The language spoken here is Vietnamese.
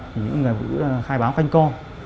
những người phụ nữ khai báo canh co